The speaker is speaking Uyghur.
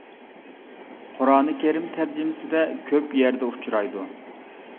قۇرئان كەرىم تەرجىمىسىدە كۆپ يەردە ئۇچرايدۇ.